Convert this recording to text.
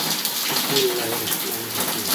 بسم الله الرحمن الرحیم